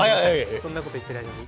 そんなこと言ってる間に。